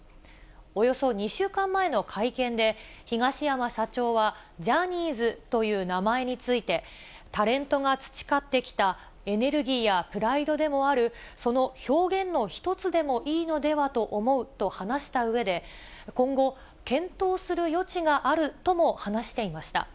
およそ２週間前の会見で、東山社長は、ジャニーズという名前について、タレントが培ってきたエネルギーやプライドでもある、その表現の一つでもいいのではと思うと話したうえで、今後、検討する余地があるとも話していました。